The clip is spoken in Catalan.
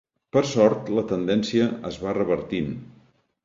Per sort, la tendència es va revertint.